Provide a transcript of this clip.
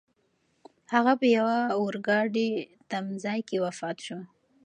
هغه په یوه اورګاډي تمځای کې وفات شو.